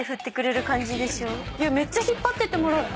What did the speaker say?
めっちゃ引っ張ってもらった。